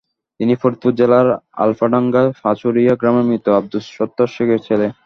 তিনি ফরিদপুর জেলার আলফাডাঙ্গা পাচুরিয়া গ্রামের মৃত আবদুস সত্তার শেখের ছেলে।